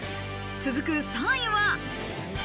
続く３位は。